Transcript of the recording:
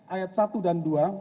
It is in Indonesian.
ayat satu dan dua